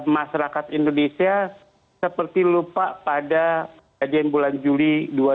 masyarakat indonesia seperti lupa pada kajian bulan juli dua ribu dua puluh